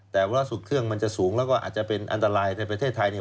แต่ว่าล่าสุดเครื่องมันจะสูงแล้วก็อาจจะเป็นอันตรายในประเทศไทยเนี่ย